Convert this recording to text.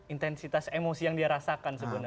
intensitas emosi yang dia rasakan sebenarnya